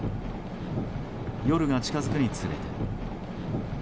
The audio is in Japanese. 夜が近づくにつれて。